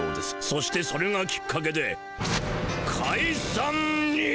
そしてそれがきっかけでかいさんに！